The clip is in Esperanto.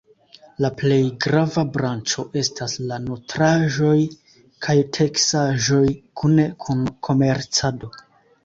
La plej grava branĉo estas la nutraĵoj kaj teksaĵoj kune kun komercado.